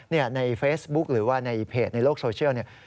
ในเฟซบุ๊คหรือว่าในเพจในโลกโซเชียลเนี่ย